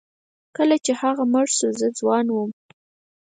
کله چې هغه مړ شو زه ځوان وم.